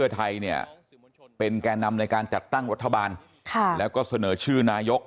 เพื่อไทยเนี่ยเป็นแก่นำในการจัดตั้งรัฐบาลแล้วก็เสนอชื่อนายก